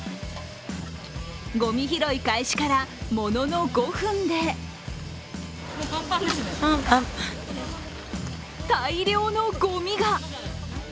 ごみ拾い開始からものの５分で大量のごみが！